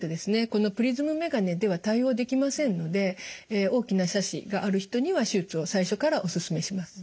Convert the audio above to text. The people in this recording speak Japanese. このプリズムメガネでは対応できませんので大きな斜視がある人には手術を最初からお勧めします。